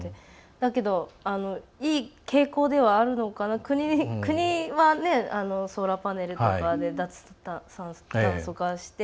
だけど、いい傾向ではあるのかな。国は、ソーラーパネルとかで脱炭素化して。